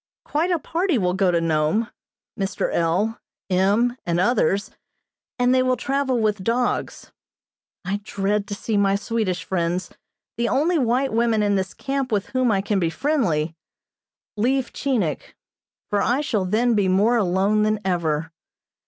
Quite a party will go to Nome, Mr. L., M. and others, and they will travel with dogs. I dread to see my Swedish friends, the only white women in this camp with whom I can be friendly, leave Chinik, for I shall then be more alone than ever.